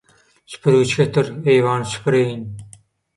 Süpürgüç getir, eýwany süpüreýin!